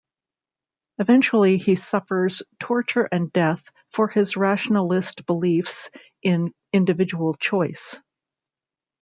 Eventually he suffers torture and death for his rationalist beliefs in individual choice.